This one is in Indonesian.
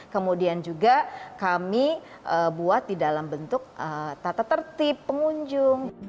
kemudian juga kami buat di dalam bentuk tata tertib pengunjung